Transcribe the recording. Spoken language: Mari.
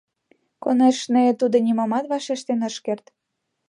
Конешне, тудо нимомат вашештен ыш керт.